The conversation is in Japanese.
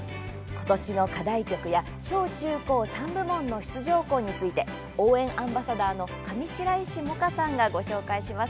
今年の課題曲や小中高３部門の出場校について応援アンバサダーの上白石萌歌さんがご紹介します。